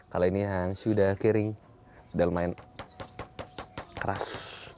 kalau ini yang sudah kering sudah lumayan keras